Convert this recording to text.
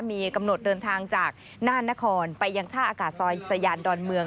มีกำหนดเดินทางจากน่านนครไปยังท่าอากาศซอยสยานดอนเมือง